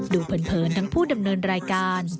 เผินทั้งผู้ดำเนินรายการ